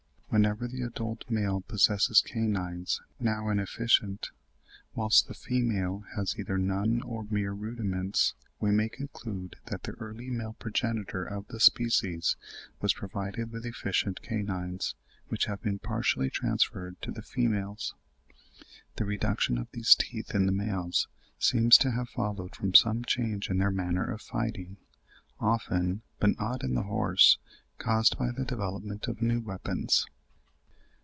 Whenever the adult male possesses canines, now inefficient, whilst the female has either none or mere rudiments, we may conclude that the early male progenitor of the species was provided with efficient canines, which have been partially transferred to the females. The reduction of these teeth in the males seems to have followed from some change in their manner of fighting, often (but not in the horse) caused by the development of new weapons.